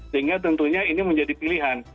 sehingga tentunya ini menjadi pilihan